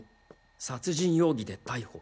殺人容疑で逮捕。